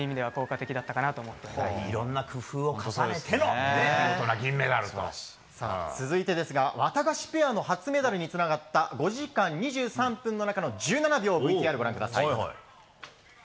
いろんな工夫を重ねての続いてワタガシペアの初メダルにつながった５時間２３分の中の１７秒ＶＴＲご覧ください。